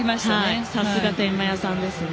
さすが天満屋さんです。